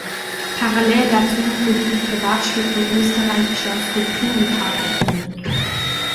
Parallel dazu wurde die Privatstiftung Österreichischer Skulpturenpark gegründet.